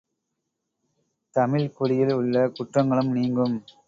தமிழ்க்குடியில் உள்ள குற்றங்களும் நீங்கும்!